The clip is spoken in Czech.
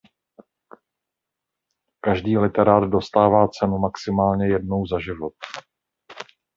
Každý literát dostává cenu maximálně jednou za život.